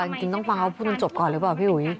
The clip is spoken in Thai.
แต่จริงต้องฟังเขาพูดมันจบก่อนหรือเปล่าพี่อุ๋ย